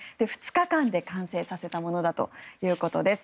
２日間で完成させたそうです。